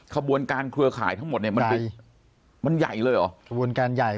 ขบวนการเครือข่ายทั้งหมดเนี่ยมันใหญ่เลยเหรอขบวนการใหญ่